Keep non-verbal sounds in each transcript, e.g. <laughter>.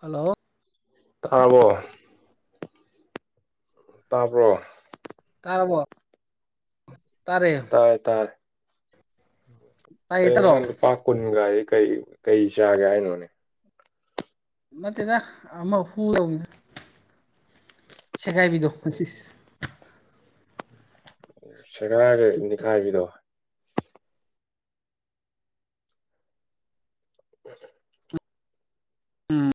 Hello ꯇꯥꯔꯕꯣ ꯇꯥꯕ꯭ꯔꯣ ꯇꯥꯔꯕꯣ ꯇꯥꯔꯦ ꯇꯥꯔꯦ ꯇꯥꯔꯦ ꯇꯥꯏꯌꯦ ꯀꯩꯅꯣ ꯇꯥꯔꯣ ꯅꯪꯅ ꯂꯨꯄꯥ ꯀꯨꯟꯒꯥꯗꯤ ꯀꯩ ꯀꯩ ꯆꯥꯒꯦ ꯍꯥꯏꯅꯣꯅꯦ ꯅꯠꯇꯦꯗꯥ ꯑꯃ ꯍꯨꯗꯧꯕꯤꯗꯣ ꯁꯦꯒꯥꯏꯕꯤꯗꯣ ꯏꯁ ꯏꯁ ꯁꯦꯒꯥꯏꯔꯒ ꯅꯤꯛꯈꯥꯏꯕꯤꯗꯣ <unintelligible> ꯎꯝ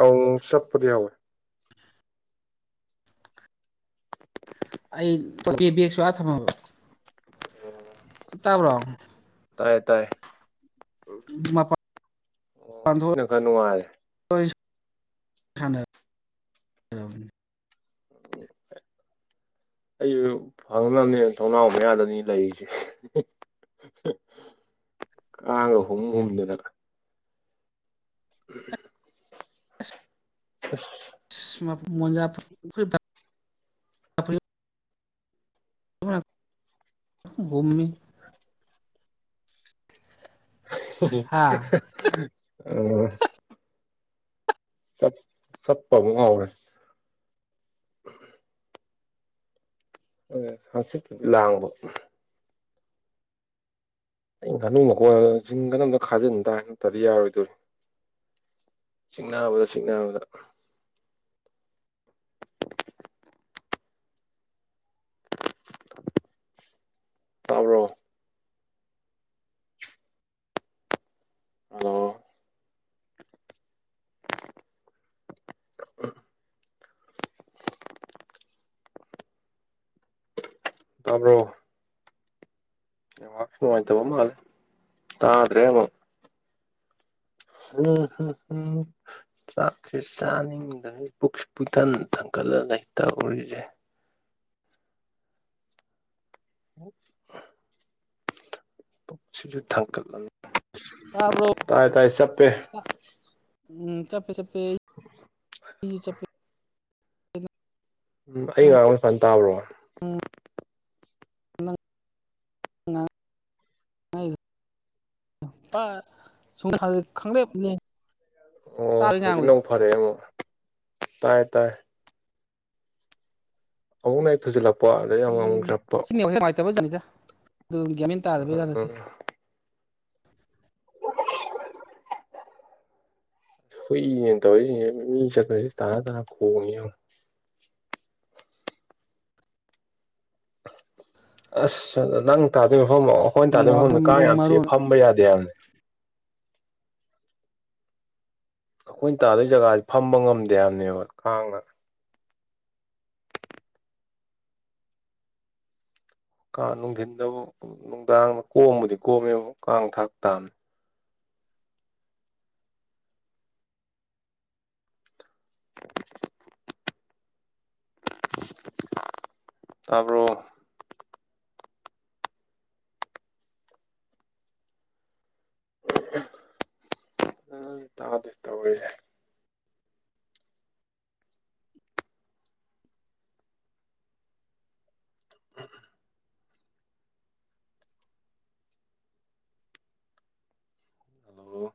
ꯑꯃꯨꯛ ꯃꯨꯛ ꯆꯞꯄꯗꯤ ꯌꯥꯎꯋꯦ꯫ <unintelligible> ꯑꯩ <unintelligible> ꯕꯦꯛꯁꯨ ꯑꯥ ꯊꯃꯝꯃꯕ ꯇꯥꯕ꯭ꯔꯣ ꯇꯥꯏꯌꯦ ꯇꯥꯏꯌꯦ ꯃꯄꯥ ꯑꯣ ꯁꯤꯅ ꯈꯔ ꯅꯨꯡꯉꯥꯏꯔꯦ꯫ ꯍꯣꯏ <unintelligible> <unintelligible> ꯑꯩꯖꯨ ꯐꯪꯅꯕꯅꯦꯅ ꯊꯣꯡꯅꯥꯎ ꯃꯌꯥꯗꯅꯤ ꯂꯩꯔꯤꯖꯦ꯫ ꯀꯒ ꯍꯨꯝ ꯍꯨꯝꯗꯗꯅ ꯝ ꯑ ꯃꯖ ꯨꯝꯨꯝꯃꯤ ꯍꯥ ꯑꯣ ꯆꯞ ꯆꯠꯄꯕꯨꯨꯡꯔꯦ ꯑꯗꯨ ꯍꯪꯆꯤꯠꯄꯨꯗꯤ ꯂꯥꯡꯕ ꯑ ꯉꯥꯅ ꯃꯈꯣꯟ ꯆꯤꯡ ꯀꯅꯝ ꯈꯥꯖꯤꯟ ꯇꯥ ꯉꯇꯗꯤ ꯌꯥꯔꯣꯏꯗꯣꯏꯔꯤ ꯆꯤꯡꯅꯕꯗ ꯤꯡꯅꯕꯗ ꯇꯥꯎꯔꯣ ꯍꯜꯂꯣ <unintelligible> ꯇꯥꯕ꯭ꯔꯣ꯫ ꯅꯦꯋꯥꯛꯁꯨ ꯅꯨꯉꯥꯏꯇꯕ ꯃꯥꯂꯦ ꯇꯥꯗ꯭ꯔꯦꯃꯨꯛ꯫ <unintelligible> ꯆꯥꯛꯁꯦ ꯆꯥꯅꯤꯡꯗꯩ ꯄꯨꯛꯁꯨ ꯄꯨꯨꯏꯊꯟ ꯊꯥꯡꯒꯠꯂ ꯂꯩ ꯇꯧꯔꯤꯁꯦ꯫ <inaudible> <inaudible> ꯇꯥꯕ꯭ꯔꯣ꯫ ꯇꯥꯏ ꯇꯥꯏ ꯆꯞꯄꯦ꯫ ꯎꯝ ꯆꯞꯄꯦ ꯆꯞꯄꯦ ꯑꯩꯒꯤꯁꯨ ꯆꯞꯄꯦ꯫ ꯎꯝ ꯑꯩ ꯉꯥꯡꯕ ꯐꯟ ꯇꯥꯕ꯭ꯔꯣ꯫ <inaudible> <unintelligible> ꯑꯣ ꯇꯥꯕ꯭ꯔ ꯑꯩ ꯍꯧꯖꯤꯛꯅ ꯉꯥꯡꯕꯗꯣ ꯑꯃꯨꯛ ꯐꯔꯦꯑꯦ ꯑꯃꯨꯛ ꯇꯥꯏ ꯇꯥꯏ꯫ <unintelligible> ꯑꯃꯨꯛ ꯑꯃꯨꯛ ꯆꯞꯄ <unintelligible> ꯅꯠꯇꯦ <unintelligible> <inaudible> ꯍꯨꯏꯅꯦꯅ ꯇꯧꯔꯤꯁꯤ ꯌꯦꯡꯉꫭ ꯃꯤ ꯆꯠꯄꯁꯤ ꯇꯥꯅ ꯇꯥꯅ ꯈꯣꯡꯉꯤ ꯌꯦꯡꯉꫭ꯫ ꯑꯁ ꯑꯗ ꯅꯪ ꯇꯥꯗꯣꯏ ꯃꯐꯝ ꯑꯈꯣꯏꯅ ꯇꯥꯗꯣꯏ ꯅꯦꯠꯋꯥꯛꯁꯦ ꯃꯐꯝꯗ ꯀꯥꯡ ꯌꯥꯝ ꯆꯤꯛꯑꯦ ꯃꯔꯣꯟ ꯐꯝꯕ ꯌꯥꯗꯦ ꯍꯥꯏꯕꯅꯦ꯫ ꯑꯩꯈꯣꯏꯅ ꯇꯥꯗꯣꯏ ꯖꯒꯥꯁꯤ ꯐꯝꯕ ꯉꯝꯗꯦ ꯍꯥꯏꯕꯅꯦꯕ ꯀꯥꯡꯅ꯫ ꯀꯥꯡ ꯅꯨꯡꯊꯤꯟꯗꯕꯨ ꯅꯨꯡꯗꯥꯡꯗ ꯀꯣꯝꯕꯨꯗꯤ ꯀꯣꯝꯃꯦꯕ ꯀꯥꯡ ꯊꯥꯛ ꯇꯥꯕꯅꯤ꯫ <inaudible> ꯇꯥꯕ꯭ꯔꯣ꯫ <inaudible> <inaudible> ꯍꯜꯂꯣ꯫